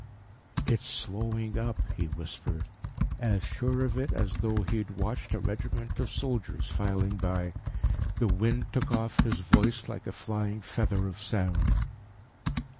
"It's slowing up," he whispered, as sure of it as though he had watched a regiment of soldiers filing by. The wind took off his voice like a flying feather of sound.